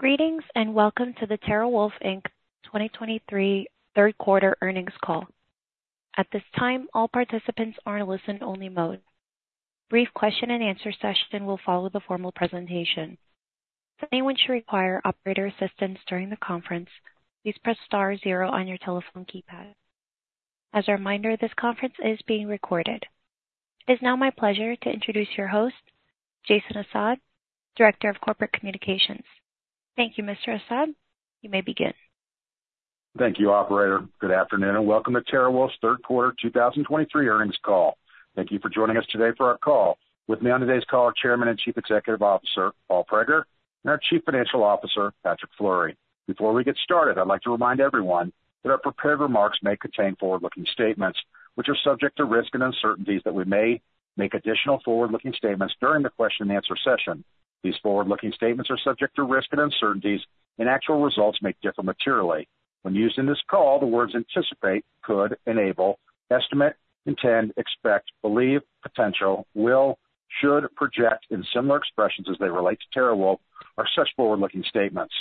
Greetings, and welcome to the TeraWulf Inc 2023 third quarter earnings call. At this time, all participants are in listen-only mode. Brief question-and-answer session will follow the formal presentation. If anyone should require operator assistance during the conference, please press star zero on your telephone keypad. As a reminder, this conference is being recorded. It is now my pleasure to introduce your host, Jason Assad, Director of Corporate Communications. Thank you, Mr. Assad. You may begin. Thank you, Operator. Good afternoon, and welcome to TeraWulf's third quarter 2023 earnings call. Thank you for joining us today for our call. With me on today's call are Chairman and Chief Executive Officer, Paul Prager, and our Chief Financial Officer, Patrick Fleury. Before we get started, I'd like to remind everyone that our prepared remarks may contain forward-looking statements, which are subject to risks and uncertainties, that we may make additional forward-looking statements during the question-and-answer session. These forward-looking statements are subject to risks and uncertainties, and actual results may differ materially. When used in this call, the words anticipate, could, enable, estimate, intend, expect, believe, potential, will, should, project, and similar expressions as they relate to TeraWulf are such forward-looking statements.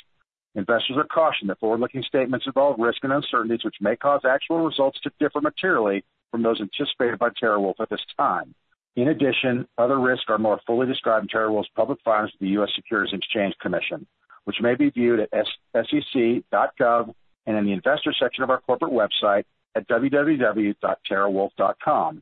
Investors are cautioned that forward-looking statements involve risk and uncertainties, which may cause actual results to differ materially from those anticipated by TeraWulf at this time. In addition, other risks are more fully described in TeraWulf's public filings with the U.S. Securities and Exchange Commission, which may be viewed at www.sec.gov and in the investor section of our corporate website at www.terawulf.com.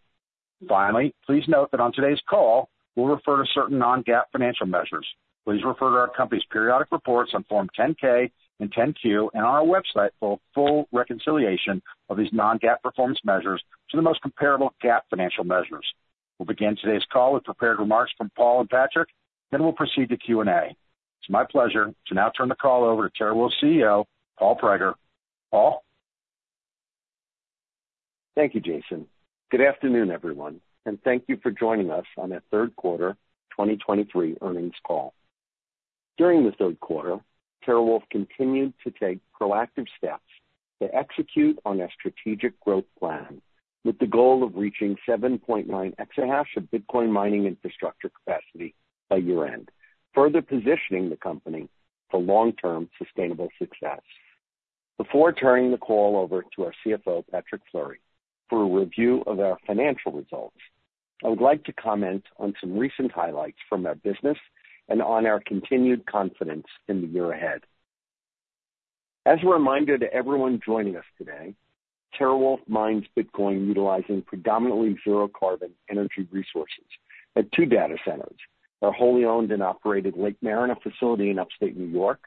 Finally, please note that on today's call, we'll refer to certain non-GAAP financial measures. Please refer to our company's periodic reports on Form 10-K and 10-Q on our website for a full reconciliation of these non-GAAP performance measures to the most comparable GAAP financial measures. We'll begin today's call with prepared remarks from Paul and Patrick, then we'll proceed to Q&A. It's my pleasure to now turn the call over to TeraWulf's CEO, Paul Prager. Paul? Thank you, Jason. Good afternoon, everyone, and thank you for joining us on our third quarter 2023 earnings call. During the third quarter, TeraWulf continued to take proactive steps to execute on our strategic growth plan, with the goal of reaching 7.9 EH of Bitcoin mining infrastructure capacity by year-end, further positioning the company for long-term sustainable success. Before turning the call over to our CFO, Patrick Fleury, for a review of our financial results, I would like to comment on some recent highlights from our business and on our continued confidence in the year ahead. As a reminder to everyone joining us today, TeraWulf mines Bitcoin utilizing predominantly zero-carbon energy resources at two data centers, our wholly owned and operated Lake Mariner facility in upstate New York,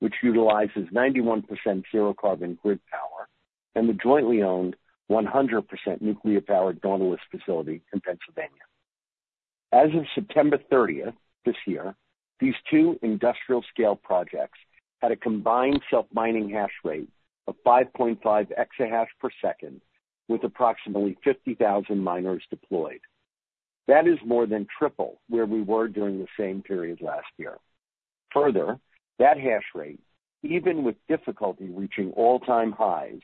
which utilizes 91% zero-carbon grid power, and the jointly owned 100% nuclear-powered Nautilus facility in Pennsylvania. As of September 30th this year, these two industrial-scale projects had a combined self-mining hash rate of 5.5 EH/s, with approximately 50,000 miners deployed. That is more than triple where we were during the same period last year. Further, that hash rate, even with difficulty reaching all-time highs,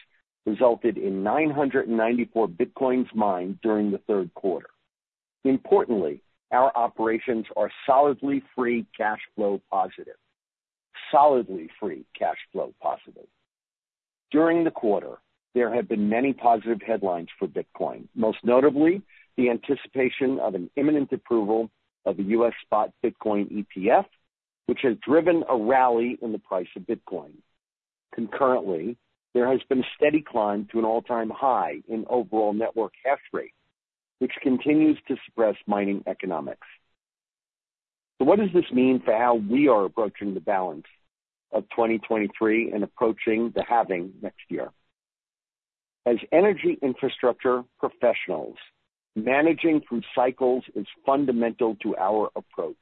resulted in 994 Bitcoins mined during the third quarter. Importantly, our operations are solidly free cash flow positive. Solidly free cash flow positive. During the quarter, there have been many positive headlines for Bitcoin, most notably the anticipation of an imminent approval of the U.S. Spot Bitcoin ETF, which has driven a rally in the price of Bitcoin. Concurrently, there has been a steady climb to an all-time high in overall network hash rate, which continues to suppress mining economics. So what does this mean for how we are approaching the balance of 2023 and approaching the halving next year? As energy infrastructure professionals, managing through cycles is fundamental to our approach,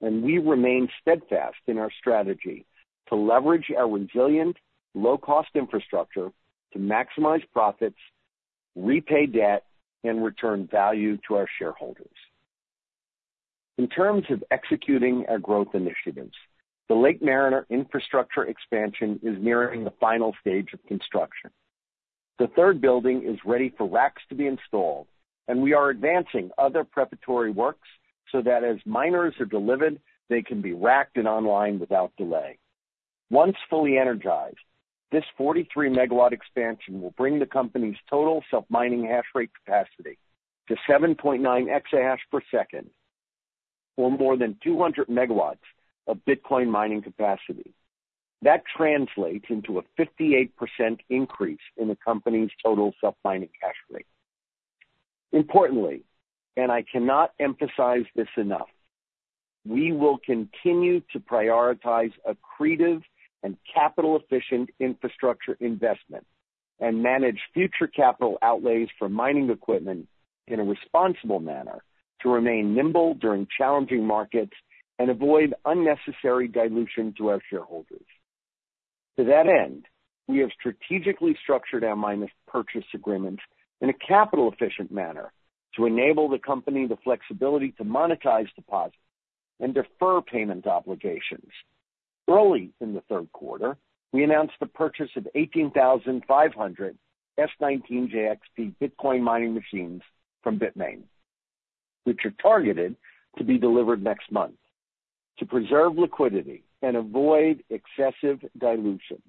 and we remain steadfast in our strategy to leverage our resilient, low-cost infrastructure to maximize profits, repay debt and return value to our shareholders. In terms of executing our growth initiatives, the Lake Mariner infrastructure expansion is nearing the final stage of construction. The third building is ready for racks to be installed, and we are advancing other preparatory works so that as miners are delivered, they can be racked and online without delay. Once fully energized, this 43 MW expansion will bring the company's total self-mining hash rate capacity to 7.9 EH/s, or more than 200 MW of Bitcoin mining capacity. That translates into a 58% increase in the company's total self-mining hash rate. Importantly, and I cannot emphasize this enough, we will continue to prioritize accretive and capital-efficient infrastructure investment and manage future capital outlays for mining equipment in a responsible manner to remain nimble during challenging markets and avoid unnecessary dilution to our shareholders. To that end, we have strategically structured our miner purchase agreement in a capital-efficient manner to enable the company the flexibility to monetize deposits and defer payment obligations... Early in the third quarter, we announced the purchase of 18,500 S19j XP Bitcoin mining machines from Bitmain, which are targeted to be delivered next month. To preserve liquidity and avoid excessive dilution,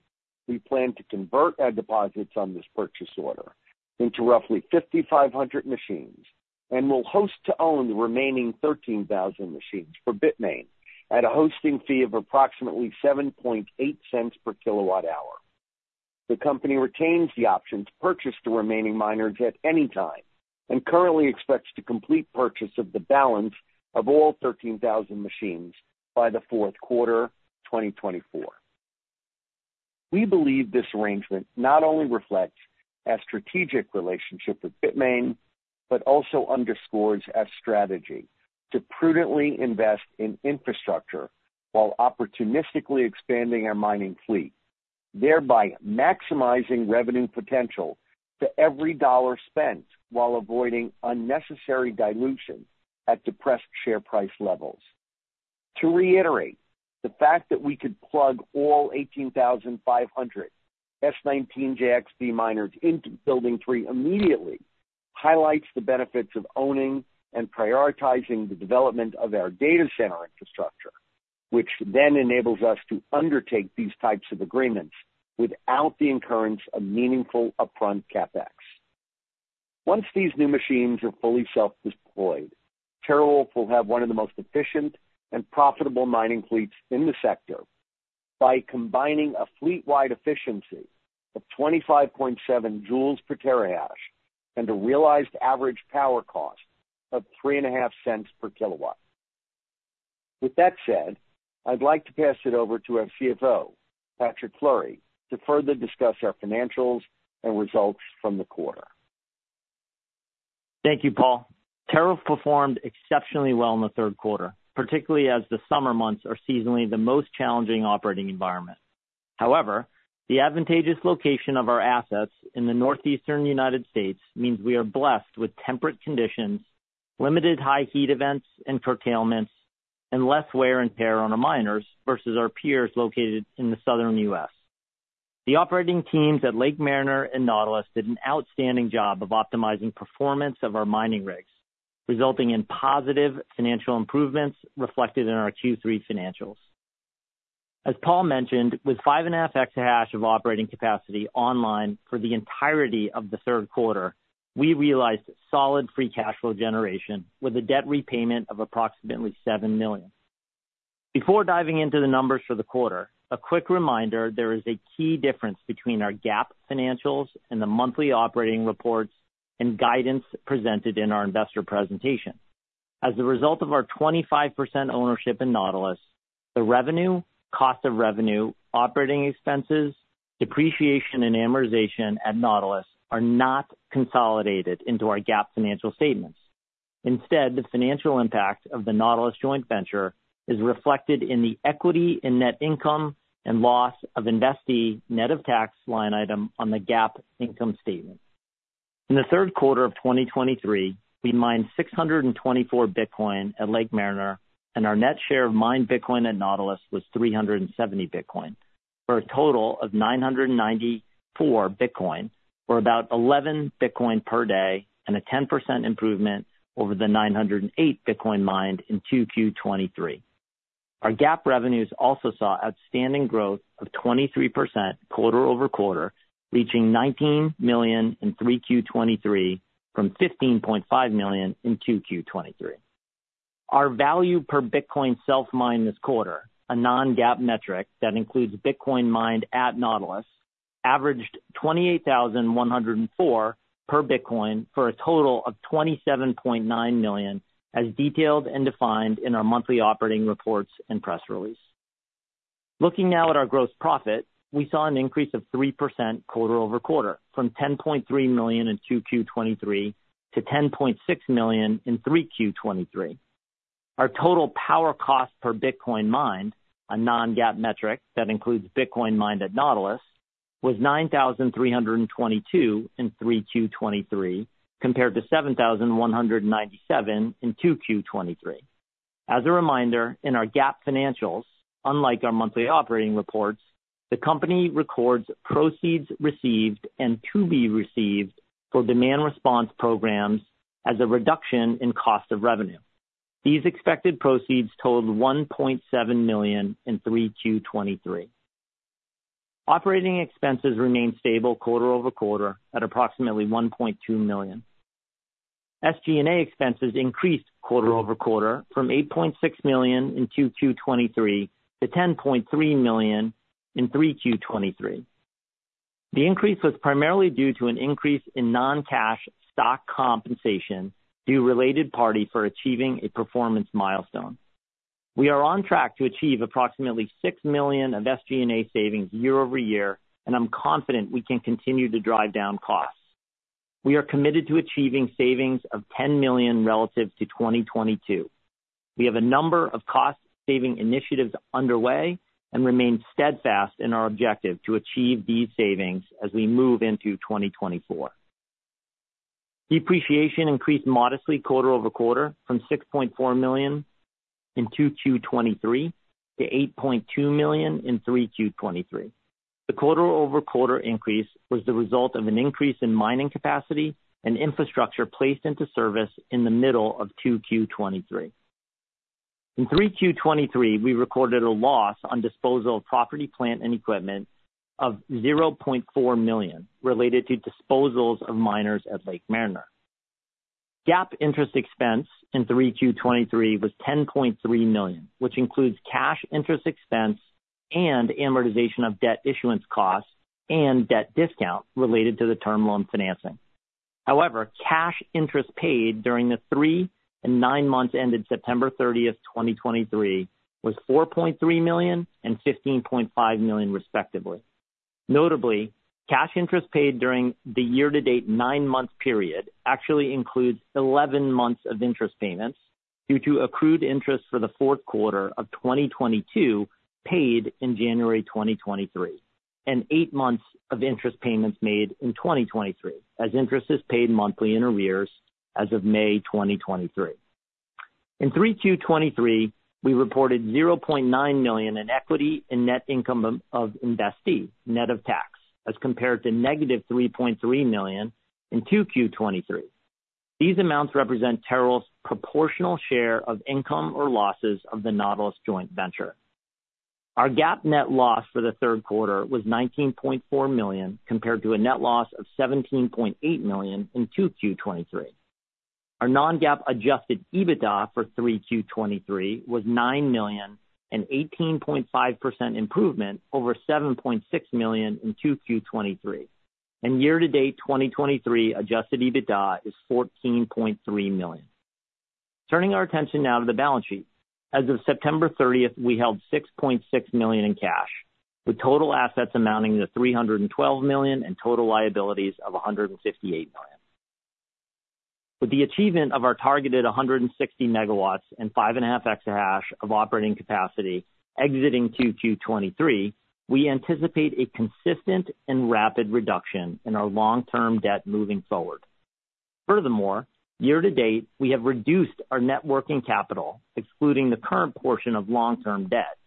we plan to convert our deposits on this purchase order into roughly 5,500 machines and will host to own the remaining 13,000 machines for Bitmain at a hosting fee of approximately $0.078 per kWh. The company retains the option to purchase the remaining miners at any time and currently expects to complete purchase of the balance of all 13,000 machines by the fourth quarter, 2024. We believe this arrangement not only reflects our strategic relationship with Bitmain, but also underscores our strategy to prudently invest in infrastructure while opportunistically expanding our mining fleet, thereby maximizing revenue potential to every dollar spent while avoiding unnecessary dilution at depressed share price levels. To reiterate, the fact that we could plug all 18,500 S19j XP miners into building three immediately, highlights the benefits of owning and prioritizing the development of our data center infrastructure, which then enables us to undertake these types of agreements without the incurrence of meaningful upfront CapEx. Once these new machines are fully self-deployed, TeraWulf will have one of the most efficient and profitable mining fleets in the sector by combining a fleet-wide efficiency of 25.7 J/TH and a realized average power cost of $0.035 per kWh. With that said, I'd like to pass it over to our CFO, Patrick Fleury, to further discuss our financials and results from the quarter. Thank you, Paul. TeraWulf performed exceptionally well in the third quarter, particularly as the summer months are seasonally the most challenging operating environment. However, the advantageous location of our assets in the northeastern United States means we are blessed with temperate conditions, limited high heat events and curtailments, and less wear and tear on our miners versus our peers located in the southern U.S. The operating teams at Lake Mariner and Nautilus did an outstanding job of optimizing performance of our mining rigs, resulting in positive financial improvements reflected in our Q3 financials. As Paul mentioned, with 5.5 EH of operating capacity online for the entirety of the third quarter, we realized solid free cash flow generation with a debt repayment of approximately $7 million. Before diving into the numbers for the quarter, a quick reminder, there is a key difference between our GAAP financials and the monthly operating reports and guidance presented in our investor presentation. As a result of our 25% ownership in Nautilus, the revenue, cost of revenue, operating expenses, depreciation and amortization at Nautilus are not consolidated into our GAAP financial statements. Instead, the financial impact of the Nautilus joint venture is reflected in the equity and net income and loss of investee net of tax line item on the GAAP income statement. In the third quarter of 2023, we mined 624 Bitcoin at Lake Mariner, and our net share of mined Bitcoin at Nautilus was 370 Bitcoin, for a total of 994 Bitcoin, or about 11 Bitcoin per day, and a 10% improvement over the 908 Bitcoin mined in 2Q 2023. Our GAAP revenues also saw outstanding growth of 23% quarter-over-quarter, reaching $19 million in 3Q 2023 from $15.5 million in 2Q 2023. Our value per Bitcoin self mined this quarter, a non-GAAP metric that includes Bitcoin mined at Nautilus, averaged 28,104 per Bitcoin for a total of $27.9 million, as detailed and defined in our monthly operating reports and press release. Looking now at our gross profit, we saw an increase of 3% quarter-over-quarter, from $10.3 million in 2Q 2023 to $10.6 million in 3Q 2023. Our total power cost per Bitcoin mined, a non-GAAP metric that includes Bitcoin mined at Nautilus, was $9,322 in 3Q 2023, compared to $7,197 in 2Q 2023. As a reminder, in our GAAP financials, unlike our monthly operating reports, the company records proceeds received and to be received for demand response programs as a reduction in cost of revenue. These expected proceeds totaled $1.7 million in 3Q 2023. Operating expenses remained stable quarter-over-quarter at approximately $1.2 million. SG&A expenses increased quarter-over-quarter from $8.6 million in 2Q 2023 to $10.3 million in 3Q 2023. The increase was primarily due to an increase in non-cash stock compensation due related party for achieving a performance milestone. We are on track to achieve approximately $6 million of SG&A savings year-over-year, and I'm confident we can continue to drive down costs. We are committed to achieving savings of $10 million relative to 2022. We have a number of cost-saving initiatives underway and remain steadfast in our objective to achieve these savings as we move into 2024. Depreciation increased modestly quarter-over-quarter from $6.4 million in 2Q 2023 to $8.2 million in 3Q 2023. The quarter-over-quarter increase was the result of an increase in mining capacity and infrastructure placed into service in the middle of 2Q 2023. In 3Q 2023, we recorded a loss on disposal of property, plant, and equipment of $0.4 million, related to disposals of miners at Lake Mariner. GAAP interest expense in 3Q 2023 was $10.3 million, which includes cash interest expense and amortization of debt issuance costs, and debt discount related to the term loan financing. However, cash interest paid during the three and nine months ended September 30, 2023, was $4.3 million and $15.5 million, respectively. Notably, cash interest paid during the year-to-date nine-month period actually includes 11 months of interest payments, due to accrued interest for the fourth quarter of 2022, paid in January 2023, and eight months of interest payments made in 2023, as interest is paid monthly in arrears as of May 2023. In 3Q 2023, we reported $0.9 million in equity and net income of investee, net of tax, as compared to -$3.3 million in 2Q 2023. These amounts represent TeraWulf's proportional share of income or losses of the Nautilus joint venture. Our GAAP net loss for the third quarter was $19.4 million, compared to a net loss of $17.8 million in 2Q 2023. Our non-GAAP adjusted EBITDA for Q3 2023 was $9 million, an 18.5% improvement over $7.6 million in 2Q 2023, and year-to-date 2023 adjusted EBITDA is $14.3 million. Turning our attention now to the balance sheet. As of September 30, we held $6.6 million in cash, with total assets amounting to $312 million, and total liabilities of $158 million. With the achievement of our targeted 160 MW and 5.5 EH/s of operating capacity exiting 2Q 2023, we anticipate a consistent and rapid reduction in our long-term debt moving forward. Furthermore, year to date, we have reduced our net working capital, excluding the current portion of long-term debt,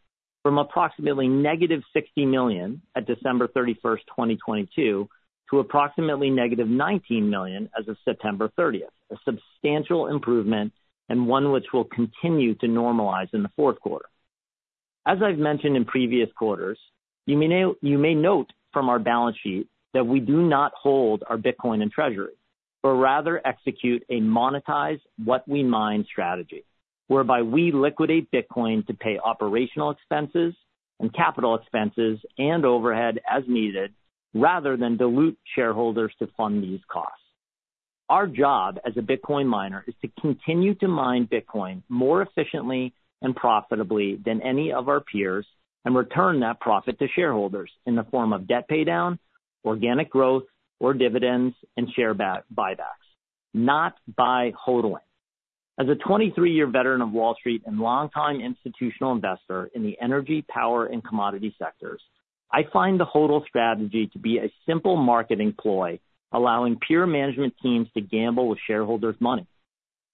from approximately -$60 million at December 31, 2022, to approximately -$19 million as of September 30. A substantial improvement and one which will continue to normalize in the fourth quarter. As I've mentioned in previous quarters, you may note from our balance sheet that we do not hold our Bitcoin in treasury, but rather execute a monetize what we mine strategy, whereby we liquidate Bitcoin to pay operational expenses and capital expenses and overhead as needed, rather than dilute shareholders to fund these costs. Our job as a Bitcoin miner is to continue to mine Bitcoin more efficiently and profitably than any of our peers, and return that profit to shareholders in the form of debt paydown, organic growth or dividends, and share buybacks, not by HODLing. As a 23-year veteran of Wall Street and longtime institutional investor in the energy, power, and commodity sectors, I find the HODL strategy to be a simple marketing ploy, allowing peer management teams to gamble with shareholders' money.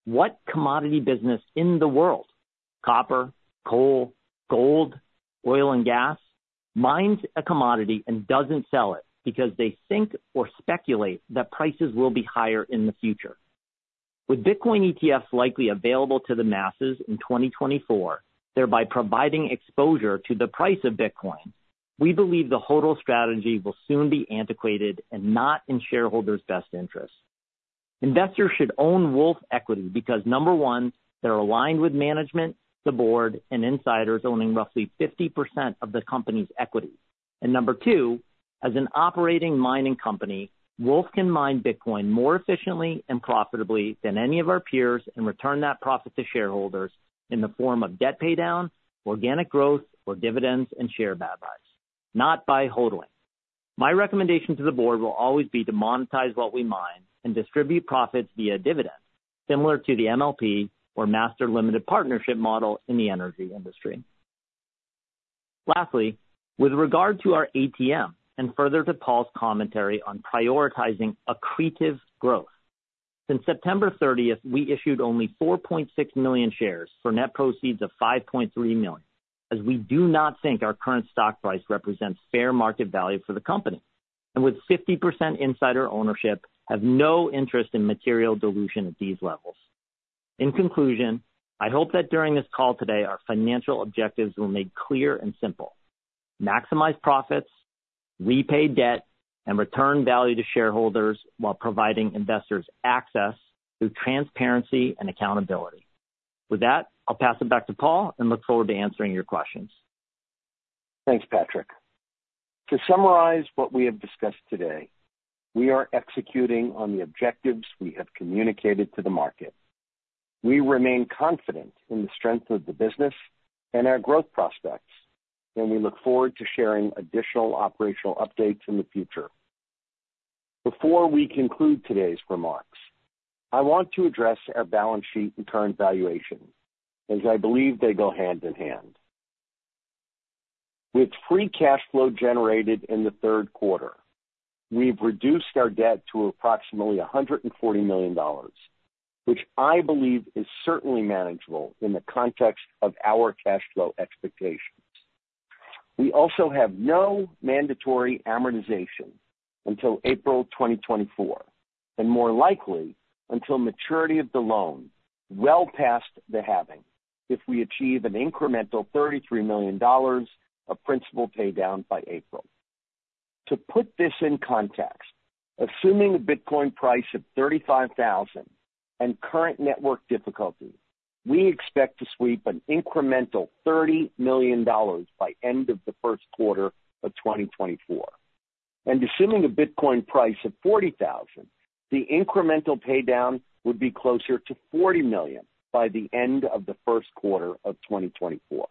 What commodity business in the world, copper, coal, gold, oil and gas, mines a commodity and doesn't sell it because they think or speculate that prices will be higher in the future? With Bitcoin ETFs likely available to the masses in 2024, thereby providing exposure to the price of Bitcoin, we believe the HODL strategy will soon be antiquated and not in shareholders' best interests. Investors should own WULF equity because, one, they're aligned with management, the board, and insiders owning roughly 50% of the company's equity. Number two, as an operating mining company, Wolf can mine Bitcoin more efficiently and profitably than any of our peers and return that profit to shareholders in the form of debt paydown, organic growth or dividends, and share buybacks, not by HODLing. My recommendation to the board will always be to monetize what we mine and distribute profits via dividends, similar to the MLP or master limited partnership model in the energy industry. Lastly, with regard to our ATM, and further to Paul's commentary on prioritizing accretive growth. Since September 30th, we issued only 4.6 million shares for net proceeds of $5.3 million, as we do not think our current stock price represents fair market value for the company, and with 50% insider ownership, have no interest in material dilution at these levels. In conclusion, I hope that during this call today, our financial objectives were made clear and simple: maximize profits, repay debt, and return value to shareholders while providing investors access through transparency and accountability. With that, I'll pass it back to Paul and look forward to answering your questions. Thanks, Patrick. To summarize what we have discussed today, we are executing on the objectives we have communicated to the market. We remain confident in the strength of the business and our growth prospects, and we look forward to sharing additional operational updates in the future. Before we conclude today's remarks, I want to address our balance sheet and current valuation, as I believe they go hand in hand. With free cash flow generated in the third quarter, we've reduced our debt to approximately $140 million, which I believe is certainly manageable in the context of our cash flow expectations. We also have no mandatory amortization until April 2024, and more likely until maturity of the loan, well past the halving, if we achieve an incremental $33 million of principal paydown by April. To put this in context, assuming a Bitcoin price of $35,000 and current network difficulty, we expect to sweep an incremental $30 million by end of the first quarter of 2024. Assuming a Bitcoin price of $40,000, the incremental paydown would be closer to $40 million by the end of the first quarter of 2024.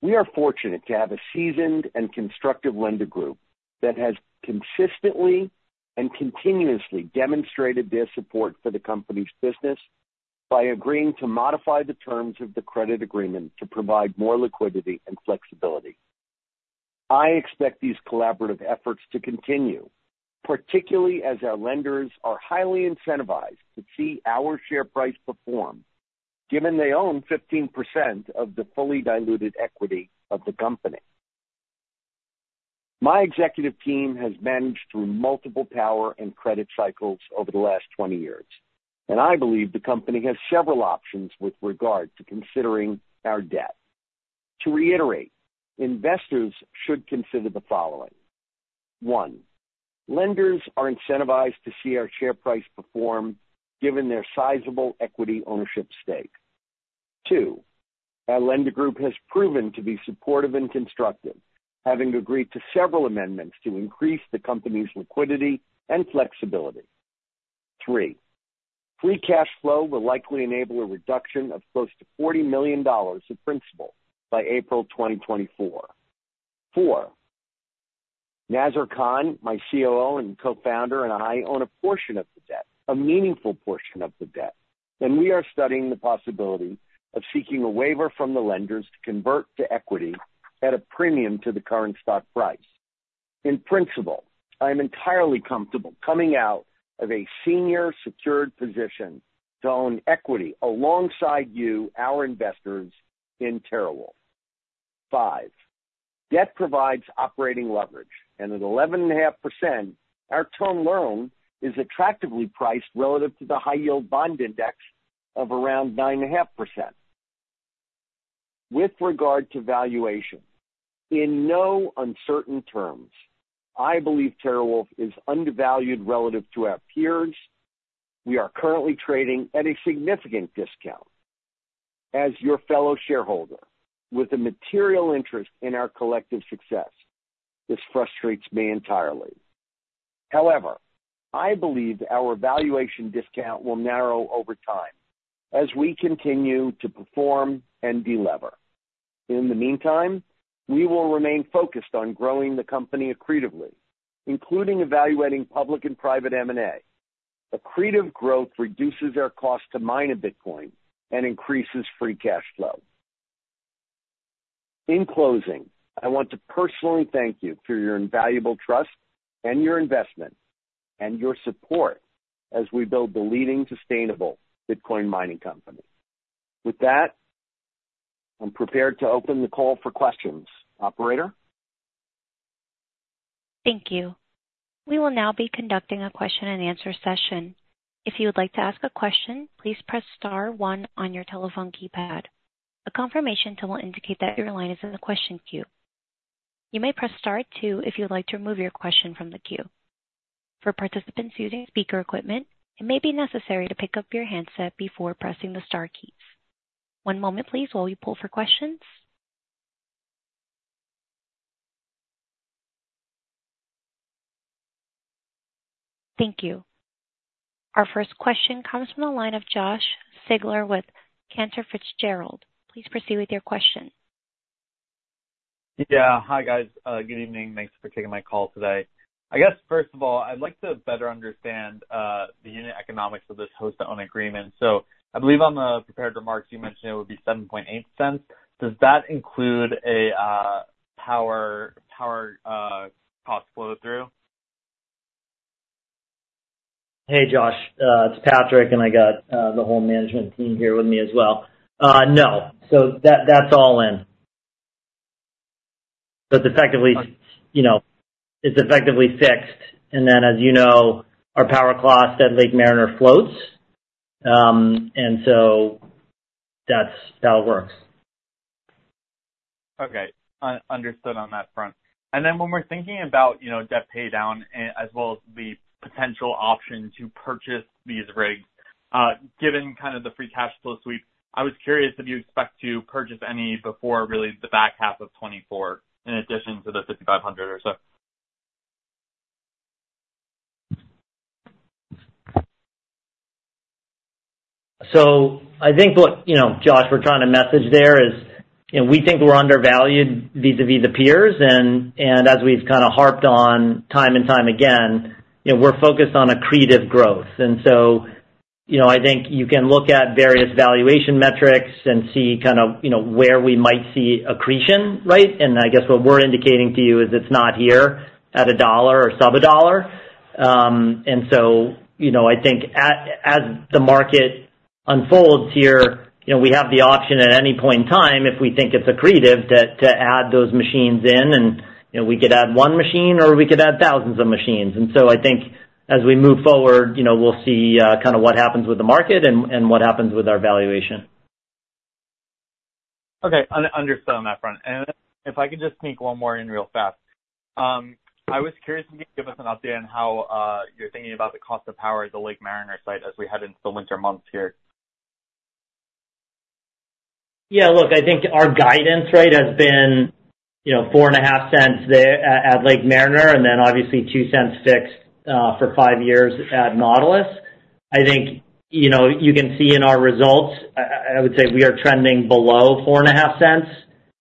We are fortunate to have a seasoned and constructive lender group that has consistently and continuously demonstrated their support for the company's business by agreeing to modify the terms of the credit agreement to provide more liquidity and flexibility. I expect these collaborative efforts to continue, particularly as our lenders are highly incentivized to see our share price perform, given they own 15% of the fully diluted equity of the company. My executive team has managed through multiple power and credit cycles over the last 20 years, and I believe the company has several options with regard to considering our debt. To reiterate, investors should consider the following. One, lenders are incentivized to see our share price perform given their sizable equity ownership stake. Two, our lender group has proven to be supportive and constructive, having agreed to several amendments to increase the company's liquidity and flexibility. Three, free cash flow will likely enable a reduction of close to $40 million in principal by April 2024. Four, Nazar Khan, my COO and Co-Founder, and I own a portion of the debt, a meaningful portion of the debt, and we are studying the possibility of seeking a waiver from the lenders to convert to equity at a premium to the current stock price. In principle, I am entirely comfortable coming out of a senior secured position to own equity alongside you, our investors, in TeraWulf. Five, debt provides operating leverage, and at 11.5%, our term loan is attractively priced relative to the high-yield bond index of around 9.5%. With regard to valuation, in no uncertain terms, I believe TeraWulf is undervalued relative to our peers. We are currently trading at a significant discount. As your fellow shareholder with a material interest in our collective success, this frustrates me entirely. However, I believe our valuation discount will narrow over time as we continue to perform and delever. In the meantime, we will remain focused on growing the company accretively, including evaluating public and private M&A. Accretive growth reduces our cost to mine a Bitcoin and increases free cash flow. In closing, I want to personally thank you for your invaluable trust and your investment and your support as we build the leading sustainable Bitcoin mining company. With that, I'm prepared to open the call for questions. Operator? Thank you. We will now be conducting a question-and-answer session. If you would like to ask a question, please press star one on your telephone keypad. A confirmation tone will indicate that your line is in the question queue. You may press star two if you'd like to remove your question from the queue. For participants using speaker equipment, it may be necessary to pick up your handset before pressing the star keys. One moment, please, while we pull for questions. Thank you. Our first question comes from the line of Josh Siegler with Cantor Fitzgerald. Please proceed with your question. Yeah. Hi, guys. Good evening. Thanks for taking my call today. I guess, first of all, I'd like to better understand the unit economics of this host-to-own agreement. So I believe on the prepared remarks, you mentioned it would be $0.078. Does that include a power cost flow through? Hey, Josh, it's Patrick, and I got the whole management team here with me as well. No. So that, that's all in. But effectively, you know, it's effectively fixed, and then, as you know, our power cost at Lake Mariner floats, and so that's how it works. Okay. Understood on that front. And then when we're thinking about, you know, debt paydown, as well as the potential option to purchase these rigs, given kind of the free cash flow sweep, I was curious if you expect to purchase any before really the back half of 2024, in addition to the 5,500 or so? So I think what, you know, Josh, we're trying to message there is, you know, we think we're undervalued vis-a-vis the peers, and, and as we've kind of harped on time and time again, you know, we're focused on accretive growth. You know, I think you can look at various valuation metrics and see kind of, you know, where we might see accretion, right? And I guess what we're indicating to you is it's not here at $1 or sub-$1. And so, you know, I think at, as the market unfolds here, you know, we have the option at any point in time, if we think it's accretive, to add those machines in, and, you know, we could add one machine, or we could add thousands of machines. And so I think as we move forward, you know, we'll see kind of what happens with the market and what happens with our valuation. Okay, understood on that front. And if I could just sneak one more in real fast. I was curious if you could give us an update on how you're thinking about the cost of power at the Lake Mariner site as we head into the winter months here. Yeah, look, I think our guidance, right, has been, you know, $0.045 there at Lake Mariner, and then obviously $0.02 fixed for five years at Nautilus. I think, you know, you can see in our results, I would say we are trending below $0.045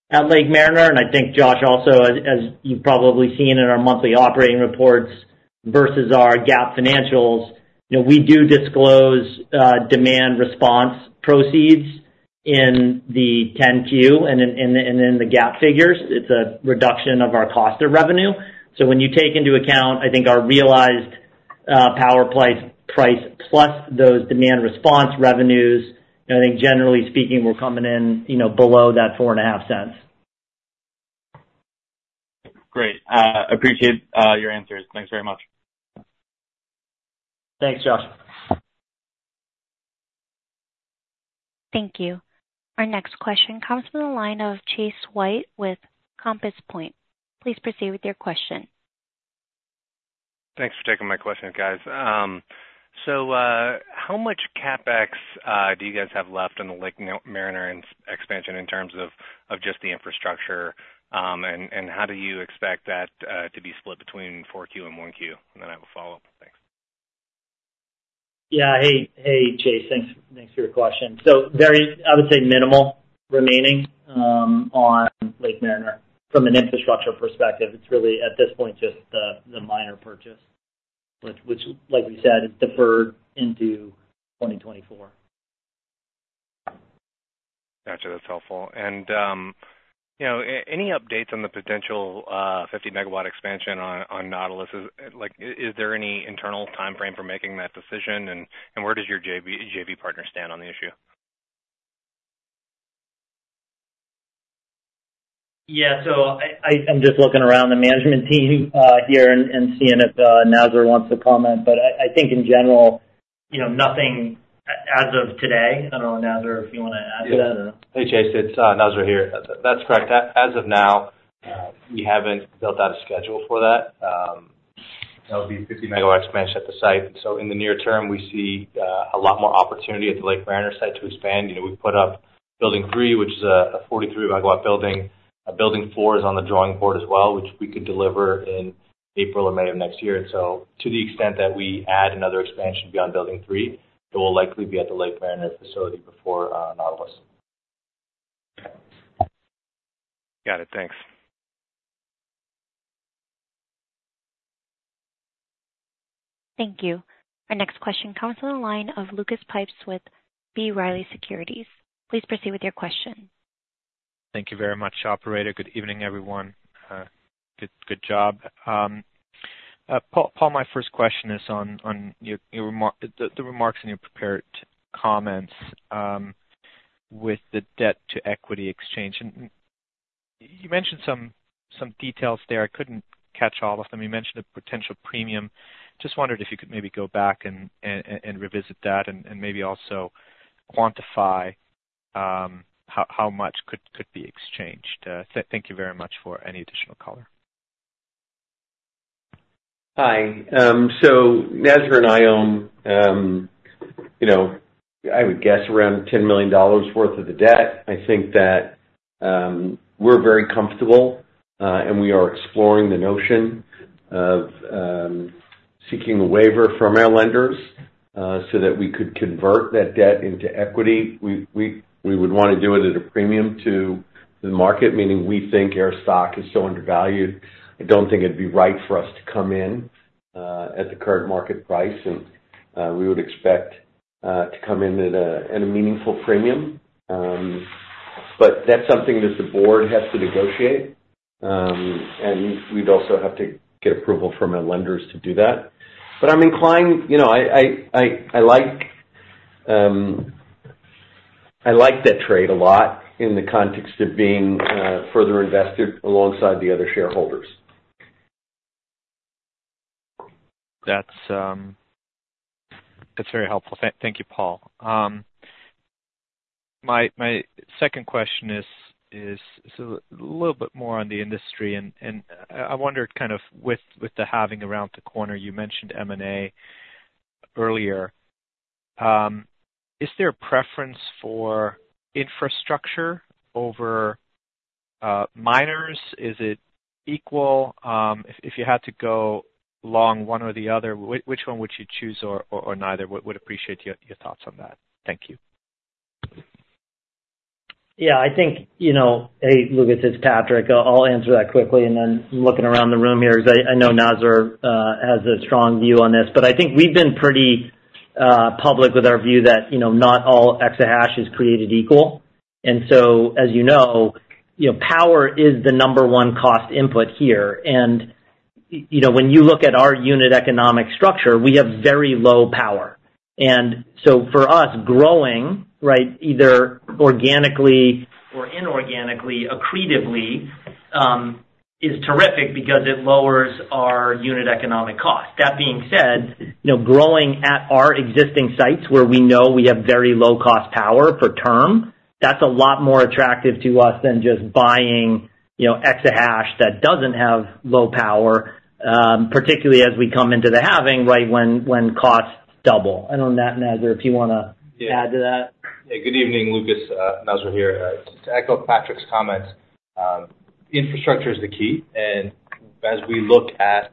at Lake Mariner. And I think, Josh, also, as you've probably seen in our monthly operating reports versus our GAAP financials, you know, we do disclose demand response proceeds in the 10-Q and in, and then the GAAP figures. It's a reduction of our cost of revenue. So when you take into account, I think, our realized power price, plus those demand response revenues, you know, I think generally speaking, we're coming in, you know, below that $0.045. Great. Appreciate your answers. Thanks very much. Thanks, Josh. Thank you. Our next question comes from the line of Chase White with Compass Point. Please proceed with your question. Thanks for taking my question, guys. So, how much CapEx do you guys have left on the Lake Mariner and expansion in terms of just the infrastructure? And how do you expect that to be split between 4Q and 1Q? And then I have a follow-up. Thanks. Yeah. Hey, Chase. Thanks for your question. So very, I would say, minimal remaining on Lake Mariner from an infrastructure perspective. It's really, at this point, just the minor purchase, which, like we said, is deferred into 2024. Gotcha. That's helpful. And, you know, any updates on the potential 50 MW expansion on Nautilus? Is, like, there any internal timeframe for making that decision? And, where does your JV partner stand on the issue? Yeah. So I'm just looking around the management team here and seeing if Nazar wants to comment. But I think in general, you know, nothing as of today. I don't know, Nazar, if you want to add to that or? Hey, Chase, it's Nazar here. That's correct. As of now, we haven't built out a schedule for that. That would be a 50 MW expansion at the site. So in the near term, we see a lot more opportunity at the Lake Mariner site to expand. You know, we've put up building three, which is a 43 MW building. Building four is on the drawing board as well, which we could deliver in April or May of next year. So to the extent that we add another expansion beyond building three, it will likely be at the Lake Mariner facility before Nautilus. Got it. Thanks. Thank you. Our next question comes from the line of Lucas Pipes with B. Riley Securities. Please proceed with your question. Thank you very much, operator. Good evening, everyone. Good job. Paul, my first question is on your remarks in your prepared comments with the debt to equity exchange. And you mentioned some details there. I couldn't catch all of them. You mentioned a potential premium. Just wondered if you could maybe go back and revisit that, and maybe also quantify how much could be exchanged. Thank you very much for any additional color. Hi. So Nazar and I own, you know, I would guess around $10 million worth of the debt. I think that, we're very comfortable, and we are exploring the notion of, seeking a waiver from our lenders, so that we could convert that debt into equity. We, we, we would want to do it at a premium to the market, meaning we think our stock is so undervalued. I don't think it'd be right for us to come in, at the current market price, and, we would expect, to come in at a, at a meaningful premium. But that's something that the board has to negotiate. And we'd also have to get approval from our lenders to do that. But I'm inclined, you know, I like that trade a lot in the context of being further invested alongside the other shareholders. That's very helpful. Thank you, Paul. My second question is so a little bit more on the industry, and I wondered kind of with the halving around the corner, you mentioned M&A earlier. Is there a preference for infrastructure over miners? Is it equal? If you had to go long, one or the other, which one would you choose or neither? Would appreciate your thoughts on that. Thank you.... Yeah, I think, you know, hey, Lucas, it's Patrick. I'll answer that quickly, and then looking around the room here, because I know Nazar has a strong view on this. But I think we've been pretty public with our view that, you know, not all exahash is created equal. And so, as you know, you know, power is the number one cost input here. And you know, when you look at our unit economic structure, we have very low power. And so for us, growing, right, either organically or inorganically, accretively, is terrific because it lowers our unit economic cost. That being said, you know, growing at our existing sites, where we know we have very low-cost power per term, that's a lot more attractive to us than just buying, you know, exahash that doesn't have low power, particularly as we come into the halving, right, when, when costs double. I don't know, Nazar, if you wanna add to that? Yeah. Good evening, Lucas. Nazar here. Just to echo Patrick's comments, infrastructure is the key, and as we look at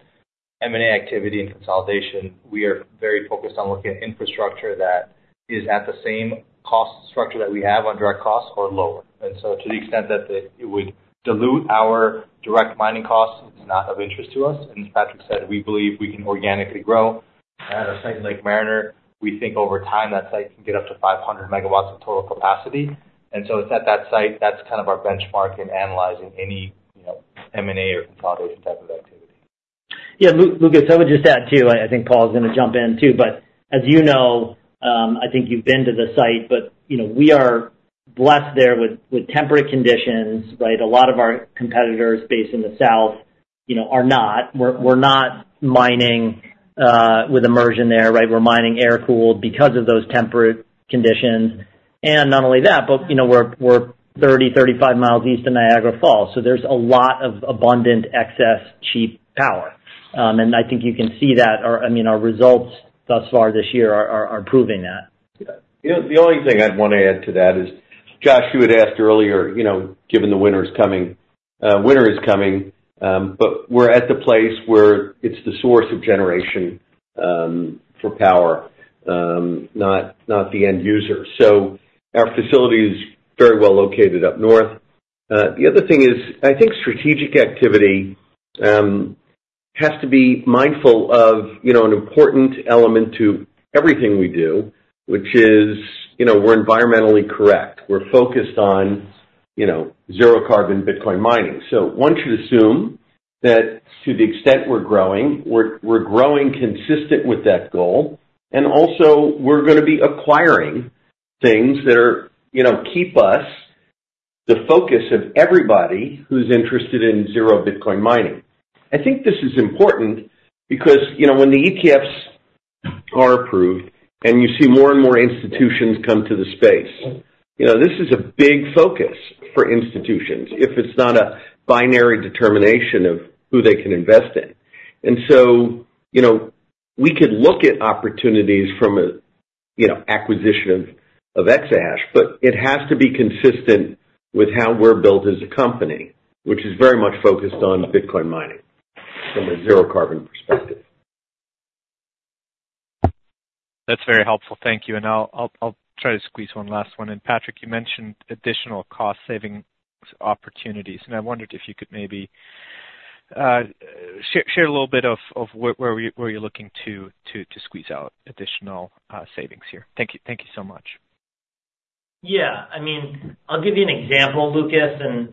M&A activity and consolidation, we are very focused on looking at infrastructure that is at the same cost structure that we have on direct costs or lower. And so to the extent that it would dilute our direct mining costs, it's not of interest to us. And as Patrick said, we believe we can organically grow. At a site like Mariner, we think over time, that site can get up to 500 MW of total capacity. And so it's at that site, that's kind of our benchmark in analyzing any, you know, M&A or consolidation type of activity. Yeah, Lucas, I would just add, too, I think Paul's gonna jump in, too. But as you know, I think you've been to the site, but, you know, we are blessed there with temperate conditions, right? A lot of our competitors based in the south, you know, are not. We're not mining with immersion there, right? We're mining air-cooled because of those temperate conditions. And not only that, but, you know, we're 35 miles east of Niagara Falls, so there's a lot of abundant, excess, cheap power. And I think you can see that our—I mean, our results thus far this year are proving that. Yeah, the only thing I'd want to add to that is, Josh, you had asked earlier, you know, given the winter is coming, winter is coming, but we're at the place where it's the source of generation for power, not the end user. So our facility is very well located up north. The other thing is, I think strategic activity has to be mindful of, you know, an important element to everything we do, which is, you know, we're environmentally correct. We're focused on, you know, zero carbon Bitcoin mining. So one should assume that to the extent we're growing, we're growing consistent with that goal. And also, we're gonna be acquiring things that are, you know, keep us the focus of everybody who's interested in zero Bitcoin mining. I think this is important because, you know, when the ETFs are approved and you see more and more institutions come to the space, you know, this is a big focus for institutions if it's not a binary determination of who they can invest in. And so, you know, we could look at opportunities from a, you know, acquisition of, of exahash, but it has to be consistent with how we're built as a company, which is very much focused on Bitcoin mining from a zero carbon perspective. That's very helpful. Thank you. And I'll try to squeeze one last one in. Patrick, you mentioned additional cost saving opportunities, and I wondered if you could maybe share a little bit of where you're looking to squeeze out additional savings here. Thank you, thank you so much. Yeah. I mean, I'll give you an example, Lucas, and,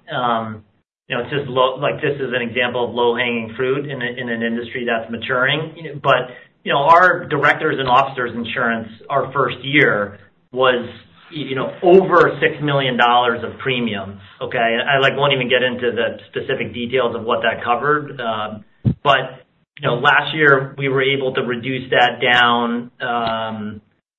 you know, just like, this is an example of low-hanging fruit in a, in an industry that's maturing. But, you know, our directors and officers insurance, our first year was, you know, over $6 million of premium, okay? I, like, won't even get into the specific details of what that covered, but, you know, last year, we were able to reduce that down,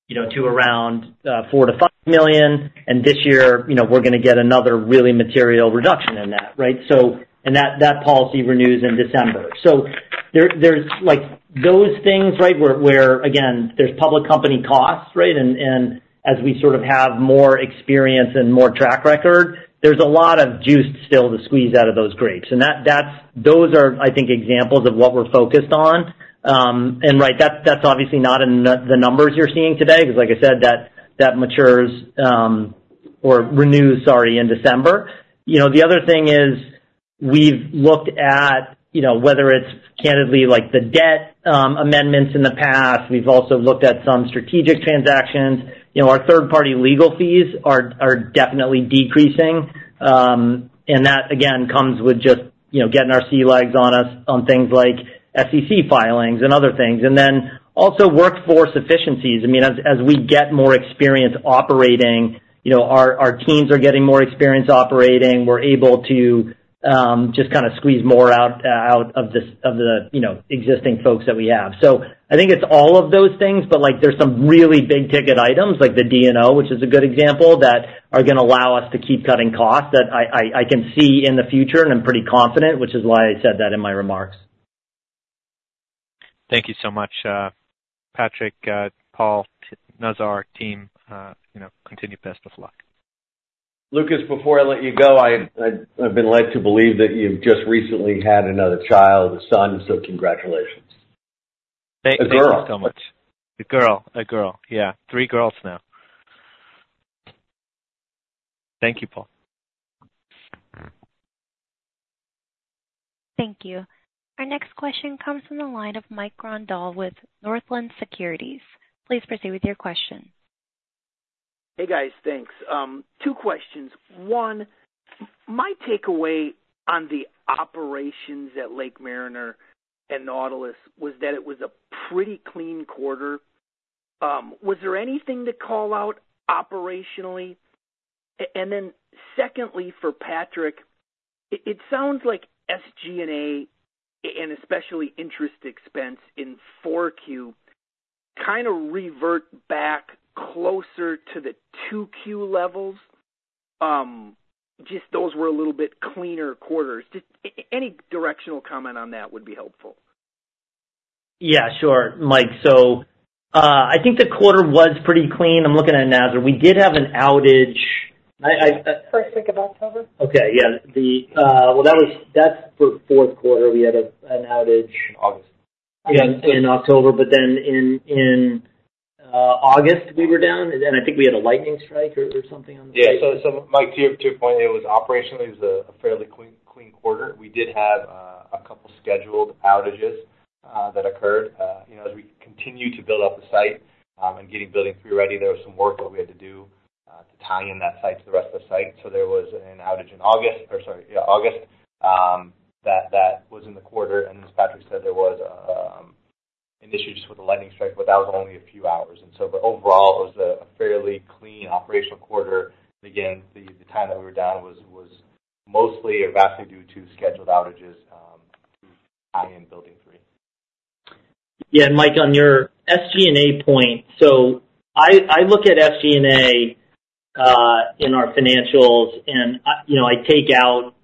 you know, to around $4 million-$5 million. And this year, you know, we're gonna get another really material reduction in that, right? So, and that, that policy renews in December. So there, there's, like, those things, right, where, where, again, there's public company costs, right? As we sort of have more experience and more track record, there's a lot of juice still to squeeze out of those grapes. And that, that's those are, I think, examples of what we're focused on. Right, that's obviously not in the numbers you're seeing today, because like I said, that matures or renews, sorry, in December. You know, the other thing is, we've looked at, you know, whether it's candidly like the debt amendments in the past. We've also looked at some strategic transactions. You know, our third-party legal fees are definitely decreasing. And that, again, comes with just, you know, getting our sea legs under us on things like SEC filings and other things. And then also workforce efficiencies. I mean, as we get more experience operating, you know, our teams are getting more experience operating. We're able to just kind of squeeze more out of the, you know, existing folks that we have. So I think it's all of those things, but, like, there's some really big-ticket items, like the D&O, which is a good example, that are gonna allow us to keep cutting costs that I can see in the future. And I'm pretty confident, which is why I said that in my remarks. Thank you so much, Patrick, Paul, Nazar, team, you know, continued best of luck. Lucas, before I let you go, I've been led to believe that you've just recently had another child, a son, so congratulations. Thank you so much. A girl. Yeah, three girls now. Thank you, Paul. Thank you. Our next question comes from the line of Mike Grondahl with Northland Securities. Please proceed with your question. Hey, guys. Thanks. Two questions. One, my takeaway on the operations at Lake Mariner and Nautilus was that it was a pretty clean quarter. Was there anything to call out operationally? And then secondly, for Patrick, it, it sounds like SG&A and especially interest expense in 4Q kind of revert back closer to the 2Q levels. Just those were a little bit cleaner quarters. Just any directional comment on that would be helpful. Yeah, sure, Mike. So, I think the quarter was pretty clean. I'm looking at Nazar. We did have an outage. I First week of October. Okay, yeah. The, well, that was - that's for fourth quarter. We had an outage- August. Yeah, in October, but then in August, we were down, and I think we had a lightning strike or something on the site. Yeah. So Mike, to your point, it was operationally a fairly clean quarter. We did have a couple scheduled outages that occurred. You know, as we continue to build out the site and getting building three ready, there was some work that we had to do to tie in that site to the rest of the site. So there was an outage in August, or sorry, yeah, August, that was in the quarter. And as Patrick said, there was an issue just with a lightning strike, but that was only a few hours. And so, but overall, it was a fairly clean operational quarter. Again, the time that we were down was mostly or vastly due to scheduled outages to tie in building three. Yeah, Mike, on your SG&A point, so I look at SG&A in our financials, and, you know, I take out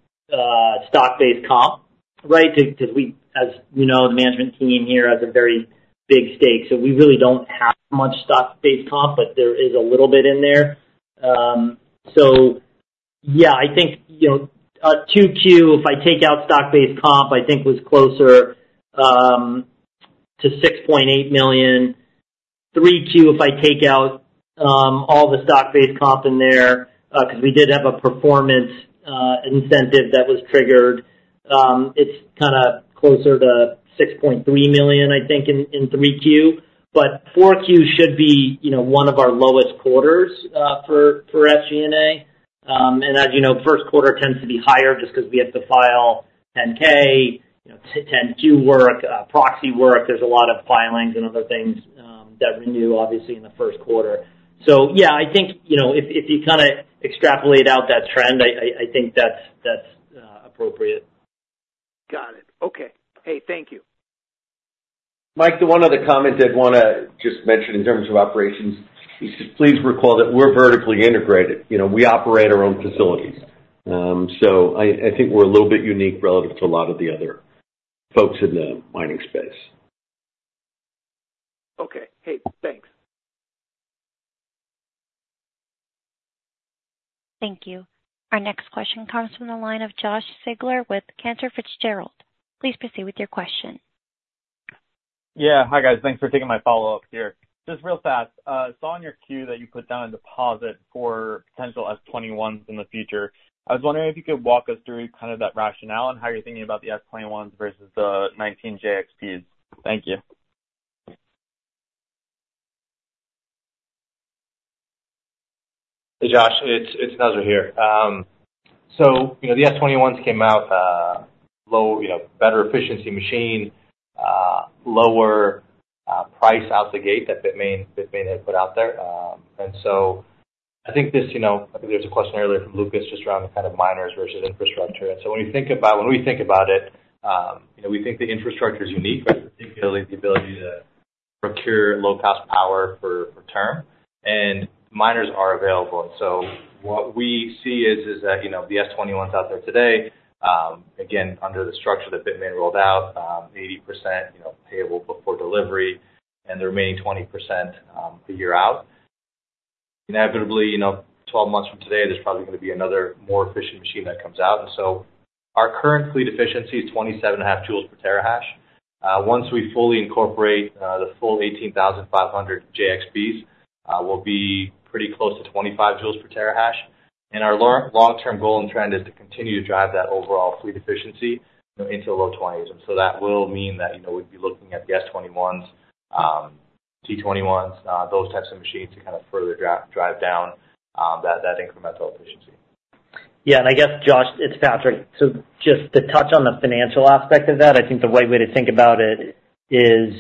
stock-based comp, right? Because we, as we know, the management team here has a very big stake, so we really don't have much stock-based comp, but there is a little bit in there. So yeah, I think, you know, 2Q, if I take out stock-based comp, I think was closer to $6.8 million. 3Q, if I take out all the stock-based comp in there, because we did have a performance incentive that was triggered, it's kinda closer to $6.3 million, I think, in 3Q. But 4Q should be, you know, one of our lowest quarters for SG&A. And as you know, first quarter tends to be higher just because we have to file 10-K, you know, 10-Q work, proxy work. There's a lot of filings and other things that renew, obviously, in the first quarter. So yeah, I think, you know, if you kinda extrapolate out that trend, I think that's appropriate. Got it. Okay. Hey, thank you. Mike, the one other comment I'd wanna just mention in terms of operations is just please recall that we're vertically integrated. You know, we operate our own facilities. So I think we're a little bit unique relative to a lot of the other folks in the mining space. Okay. Hey, thanks. Thank you. Our next question comes from the line of Josh Siegler with Cantor Fitzgerald. Please proceed with your question. Yeah. Hi, guys. Thanks for taking my follow-up here. Just real fast, saw on your queue that you put down a deposit for potential S21s in the future. I was wondering if you could walk us through kind of that rationale and how you're thinking about the S21s versus the 19 JXPs. Thank you. Hey, Josh, it's Nazar here. So, you know, the S21s came out low, you know, better efficiency machine, lower price out the gate that Bitmain had put out there. And so I think this, you know, I think there was a question earlier from Lucas just around the kind of miners versus infrastructure. And so when you think about—when we think about it, you know, we think the infrastructure is unique, right? The ability to procure low-cost power for term, and miners are available. And so what we see is that, you know, the S21s out there today, again, under the structure that Bitmain rolled out, 80% payable before delivery and the remaining 20% a year out. Inevitably, you know, 12 months from today, there's probably gonna be another more efficient machine that comes out. So our current fleet efficiency is 27.5 joules per terahash. Once we fully incorporate the full 18,500 JXPs, we'll be pretty close to 25 J/TH. Our long, long-term goal and trend is to continue to drive that overall fleet efficiency, you know, into the low 20s. So that will mean that, you know, we'd be looking at the S21s, T21s, those types of machines to kind of further drive down that incremental efficiency. Yeah, and I guess, Josh, it's Patrick. So just to touch on the financial aspect of that, I think the right way to think about it is,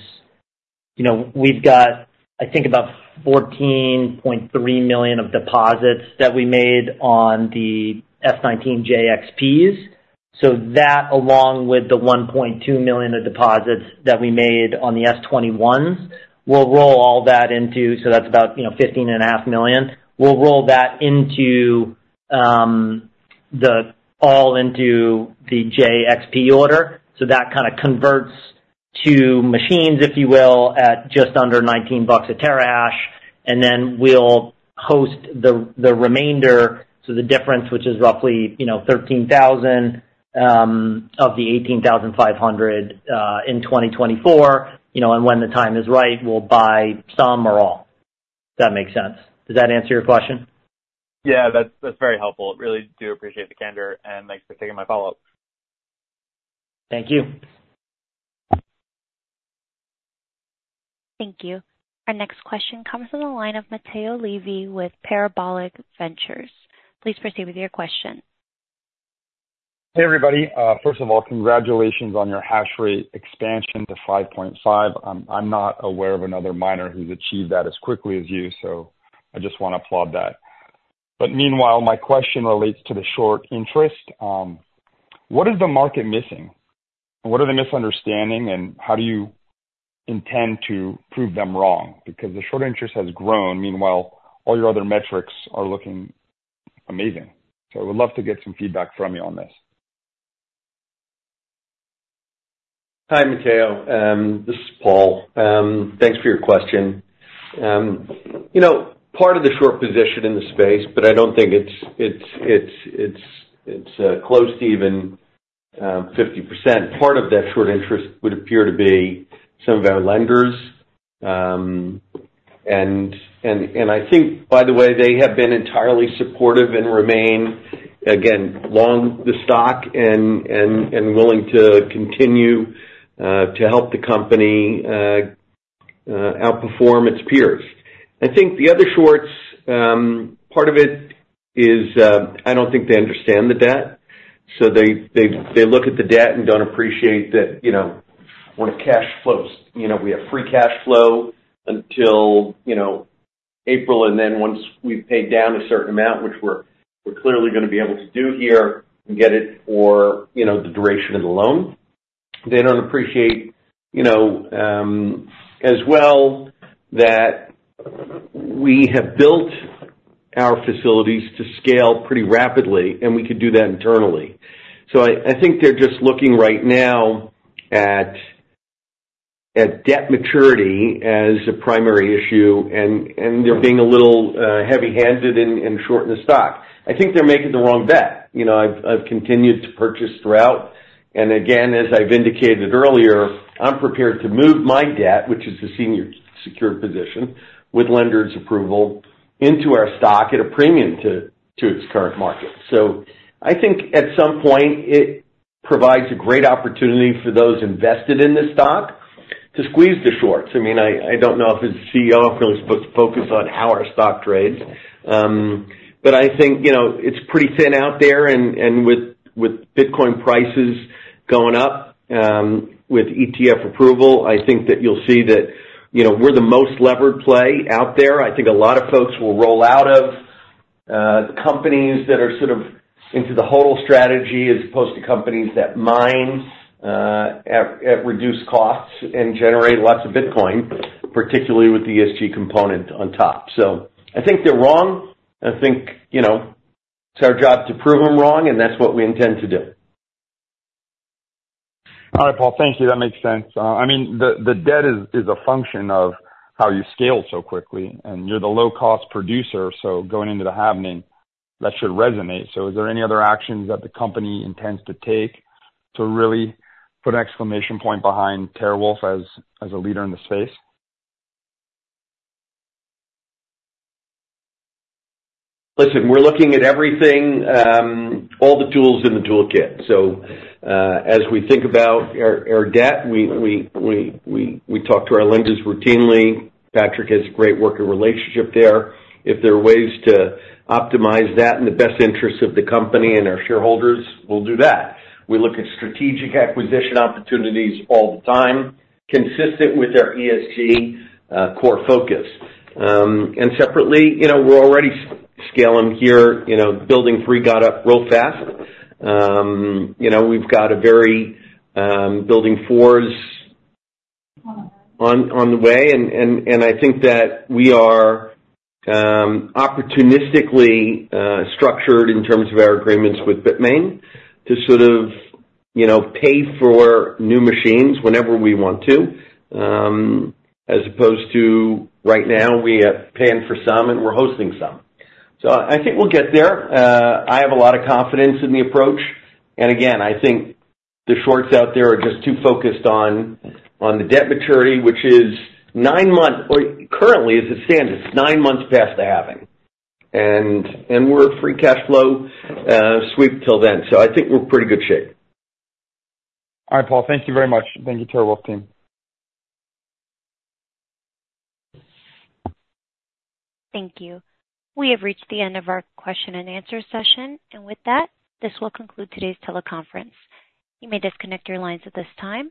you know, we've got, I think, about $14.3 million of deposits that we made on the S19 JXPs. So that, along with the $1.2 million of deposits that we made on the S21s, we'll roll all that into... So that's about, you know, $15.5 million. We'll roll that into the all into the JXP order. So that kind of converts to machines, if you will, at just under $19 a terahash, and then we'll-... host the remainder to the difference, which is roughly, you know, 13,000 of the 18,500 in 2024, you know, and when the time is right, we'll buy some or all, if that makes sense. Does that answer your question? Yeah, that's, that's very helpful. Really do appreciate the candor, and thanks for taking my follow-up. Thank you. Thank you. Our next question comes from the line of Mateo Levy with Parabolic Ventures. Please proceed with your question. Hey, everybody. First of all, congratulations on your hash rate expansion to 5.5. I'm not aware of another miner who's achieved that as quickly as you, so I just want to applaud that. But meanwhile, my question relates to the short interest. What is the market missing? What are the misunderstanding, and how do you intend to prove them wrong? Because the short interest has grown, meanwhile, all your other metrics are looking amazing. So I would love to get some feedback from you on this. Hi, Mateo. This is Paul. Thanks for your question. You know, part of the short position in the space, but I don't think it's close to even 50%. Part of that short interest would appear to be some of our lenders. And I think, by the way, they have been entirely supportive and remain, again, long the stock and willing to continue to help the company outperform its peers. I think the other shorts, part of it is, I don't think they understand the debt, so they look at the debt and don't appreciate that, you know, when a cash flows, you know, we have free cash flow until, you know, April, and then once we've paid down a certain amount, which we're clearly gonna be able to do here and get it for, you know, the duration of the loan. They don't appreciate, you know, as well, that we have built our facilities to scale pretty rapidly, and we can do that internally. So I think they're just looking right now at debt maturity as a primary issue, and they're being a little heavy-handed and short in the stock. I think they're making the wrong bet. You know, I've continued to purchase throughout, and again, as I've indicated earlier, I'm prepared to move my debt, which is the senior secured position, with lenders' approval into our stock at a premium to its current market. So I think at some point it provides a great opportunity for those invested in the stock to squeeze the shorts. I mean, I don't know if a CEO is really supposed to focus on how our stock trades, but I think, you know, it's pretty thin out there. And with Bitcoin prices going up, with ETF approval, I think that you'll see that, you know, we're the most levered play out there. I think a lot of folks will roll out of companies that are sort of into the whole strategy, as opposed to companies that mine at reduced costs and generate lots of Bitcoin, particularly with the ESG component on top. So I think they're wrong, and I think, you know, it's our job to prove them wrong, and that's what we intend to do. All right, Paul. Thank you. That makes sense. I mean, the debt is a function of how you scale so quickly, and you're the low-cost producer, so going into the halving, that should resonate. So is there any other actions that the company intends to take to really put an exclamation point behind TeraWulf as a leader in the space? Listen, we're looking at everything, all the tools in the toolkit. So, as we think about our debt, we talk to our lenders routinely. Patrick has a great working relationship there. If there are ways to optimize that in the best interest of the company and our shareholders, we'll do that. We look at strategic acquisition opportunities all the time, consistent with our ESG core focus. And separately, you know, we're already scaling here, you know, building three got up real fast. You know, we've got a very... Building 4's on the way, and I think that we are opportunistically structured in terms of our agreements with Bitmain to sort of, you know, pay for new machines whenever we want to, as opposed to right now, we are paying for some and we're hosting some. So I think we'll get there. I have a lot of confidence in the approach. And again, I think the shorts out there are just too focused on the debt maturity, which is nine months or currently, as it stands, it's nine months past the halving, and we're free cash flow sweep till then. So I think we're in pretty good shape. All right, Paul, thank you very much. Thank you, TeraWulf team. Thank you. We have reached the end of our question and answer session, and with that, this will conclude today's teleconference. You may disconnect your lines at this time.